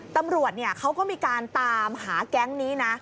ตำรวจเขาก็มีการตามหาแก๊งนี้นะ